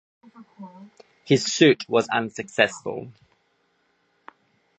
His suit was unsuccessful.